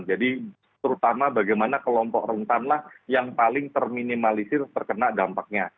jadi terutama bagaimana kelompok rentanlah yang paling terminimalisir terkena dampaknya